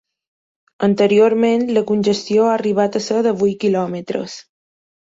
Anteriorment, la congestió ha arribat a ser de vuit quilòmetres.